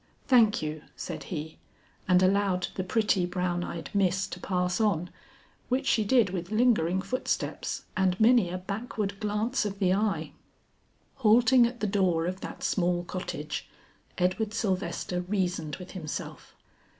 "Thank you," said he, and allowed the pretty brown eyed miss to pass on, which she did with lingering footsteps and many a backward glance of the eye. Halting at the door of that small cottage, Edward Sylvester reasoned with himself.